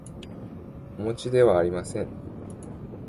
おもちではありません